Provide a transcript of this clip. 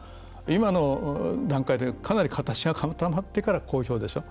今の段階で、かなり形が固まってから公表でしょ。